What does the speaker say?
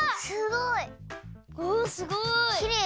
すごい！おすごい！